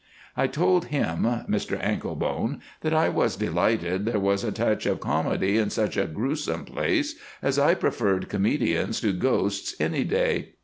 '" I told him (Mr Anklebone) that I was delighted there was a touch of comedy in such a gruesome place, as I preferred comedians to ghosts any day.